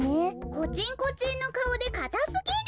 コチンコチンのかおでかたすぎる。